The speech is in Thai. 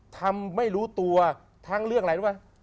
ทำไม่รู้ตัวทั้งเรื่องอะไรรู้ไหม